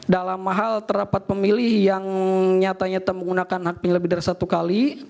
dalam hal terdapat pemilih yang nyatanya menggunakan hak pilihnya lebih dari satu kali